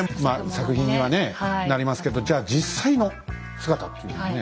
作品にはねなりますけどじゃあ実際の姿っていうのをね。